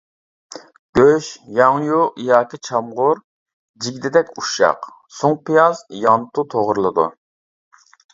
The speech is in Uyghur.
گۆش، ياڭيۇ ياكى چامغۇر جىگدىدەك ئۇششاق، سۇڭپىياز يانتۇ توغرىلىدۇ.